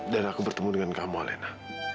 dan aku bertemu dengan kamu alena